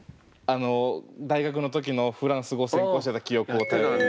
あの大学の時のフランス語専攻してた記憶を頼りに。